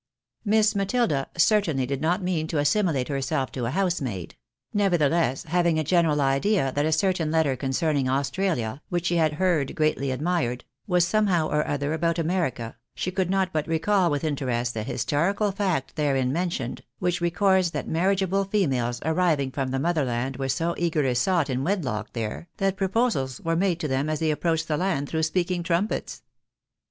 Miss Matilda certainly did not mean to assimilate herself to a housemaid ; nevertheless, having a general idea that a certain letter concerning AustraUa, which she had heard greatly admired, was somehow or other about America, she could not but recall with in terest the historical fact therein mentioned, which records that marriageable females arriving from the motherland were so eagerly sought in wedlock there, that proposals were made to them as they approached the land through speaking trumpets.